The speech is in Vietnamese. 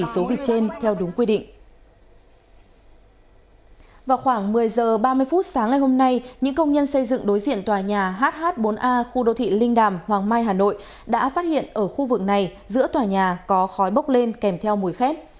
sáng ngày hôm nay những công nhân xây dựng đối diện tòa nhà hh bốn a khu đô thị linh đàm hoàng mai hà nội đã phát hiện ở khu vực này giữa tòa nhà có khói bốc lên kèm theo mùi khét